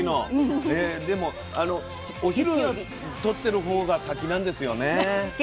でもお昼とってる方が先なんですよね。